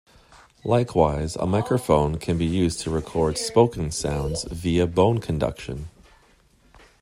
Likewise, a microphone can be used to record spoken sounds via bone conduction.